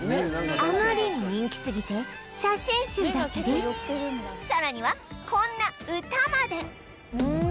あまりに人気すぎて写真集だったりさらにはこんな歌まで